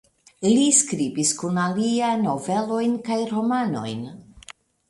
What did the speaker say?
Li skribis kun alia novelojn kaj romanojn.